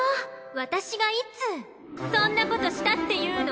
私がいつそんなことしたっていうの？